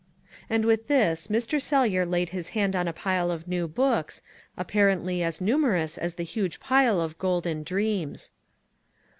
And with this Mr. Sellyer laid his hand on a pile of new books, apparently as numerous as the huge pile of Golden Dreams.